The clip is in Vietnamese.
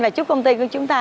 và chúc công ty của chúng ta